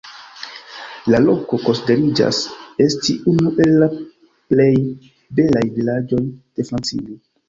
La loko konsideriĝas esti unu el la plej belaj vilaĝoj de Francio.